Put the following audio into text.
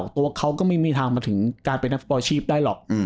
ตัวเขาก็ไม่มีทางมาถึงการเป็นนักฟุตบอลชีพได้หรอก